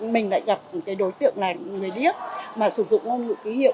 mình lại gặp cái đối tượng này người biết mà sử dụng ngôn ngữ ký hiệu